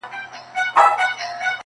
ما دي د میني سوداګر له کوڅې وشړله-